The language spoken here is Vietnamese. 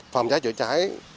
phòng cháy chữa cháy